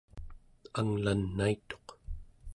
anglanaituq